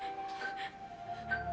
dia sudah berakhir